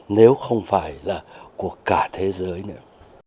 nếu không phải là của cả thế giới nữa